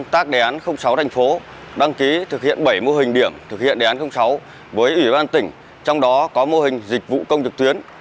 công tác đề án sáu thành phố đăng ký thực hiện bảy mô hình điểm thực hiện đề án sáu với ủy ban tỉnh trong đó có mô hình dịch vụ công trực tuyến